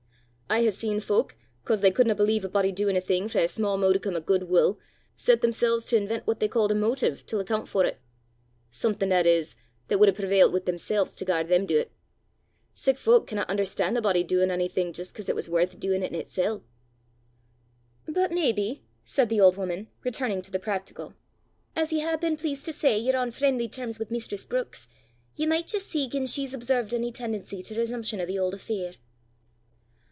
I hae seen fowk, 'cause they couldna believe a body duin' a thing frae a sma' modicum o' guid wull, set themsel's to invent what they ca'd a motive til accoont for 't something, that is, that wud hae prevailt wi' themsel's to gar them du 't. Sic fowk canna un'erstan' a body duin' onything jist 'cause it was worth duin' in itsel'!" "But maybe," said the old woman, returning to the practical, "as ye hae been pleased to say ye're on freen'ly terms wi' mistress Brookes, ye micht jist see gien she's observed ony ten'ency to resumption o' the auld affair!"